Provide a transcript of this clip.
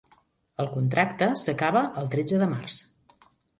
El contracte s'acaba el tretze de març.